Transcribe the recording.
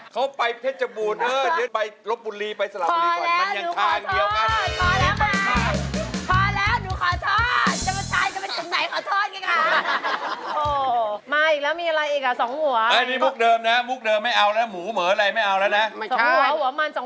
เขาไปเทศจบูนเอิ้นไปรบบุรีไปสลับบุรีก่อน